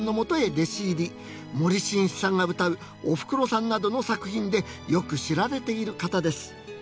森進一さんが歌う「おふくろさん」などの作品でよく知られている方です。